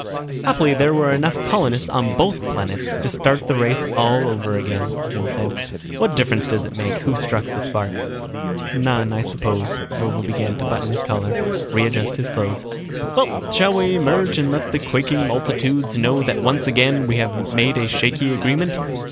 "Happily there were enough colonists on both planets to start the race all over again," Jim said. "What difference does it make, who struck the spark?" "None, I suppose." Vovo began to button his collar, readjust his clothes. "Well, shall we emerge and let the quaking multitudes know that once again we have made a shaky agreement?